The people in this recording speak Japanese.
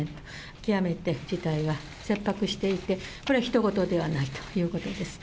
極めて事態は切迫していて、これはひと事ではないということです。